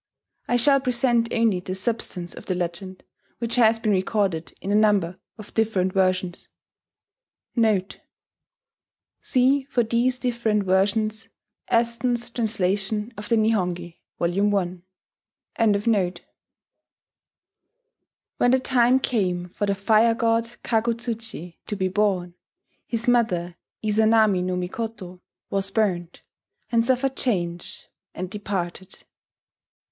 I shall present only the substance of the legend, which has been recorded in a number of different versions:* [*See for these different versions Aston's translation of the Nihongi, Vol I.] When the time came for the Fire god, Kagu Tsuchi, to be born, his mother, Izanami no Mikoto, was burnt, and suffered change, and departed.